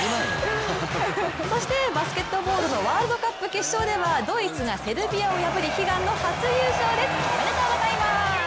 そしてバスケットボールのワールドカップ決勝では、ドイツがセルビアを破り、悲願の初優勝です。